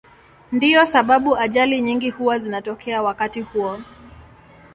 Ndiyo sababu ajali nyingi huwa zinatokea wakati huo.